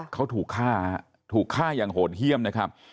เขาถูกฆ่าถูกฆ่าอย่างโหดเยี่ยมนะครับ